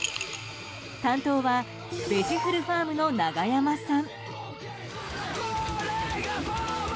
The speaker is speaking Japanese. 担当はベジフルファームの長山さん。